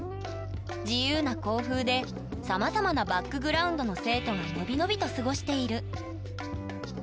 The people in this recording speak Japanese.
自由な校風でさまざまなバックグラウンドの生徒が伸び伸びと過ごしている。